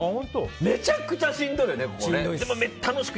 めちゃくちゃしんどいよね、ここ。